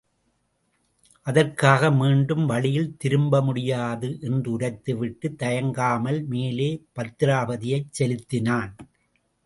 அதற்காக மீண்டும் வழியில் திரும்ப முடியாது என்றுரைத்துவிட்டுத் தயங்காமல் மேலே பத்திராபதியைச் செலுத்தினான்.